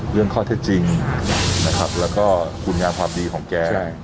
เรื่องข้อเท็จจริงนะครับแล้วก็คุณงามความดีของแก